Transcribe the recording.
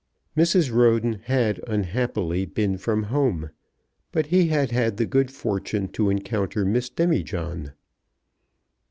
Mrs. Roden had unhappily been from home, but he had had the good fortune to encounter Miss Demijohn.